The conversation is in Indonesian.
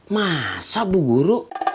masa bu guru